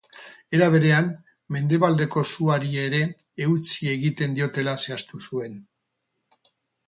Era berean, mendebaldeko suari ere eutsi egiten diotela zehaztu zuen.